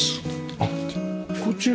あっこちらは？